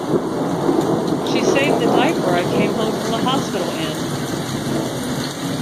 She saved the diaper I came home from the hospital in!